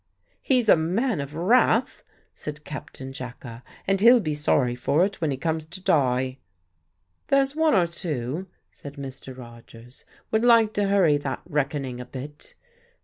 "He's a man of wrath," said Captain Jacka, "and he'll be sorry for it when he comes to die." "There's one or two," said Mr. Rogers, "would like to hurry that reckoning a bit.